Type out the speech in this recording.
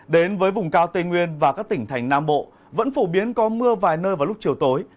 đến với vùng cao tây nguyên và các tỉnh thành nam bộ vẫn phổ biến có mưa vài nơi vào lúc chiều tối